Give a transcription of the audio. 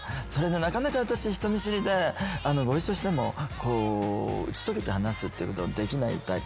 なかなか私人見知りでご一緒しても打ち解けて話すっていうことできないタイプなのね。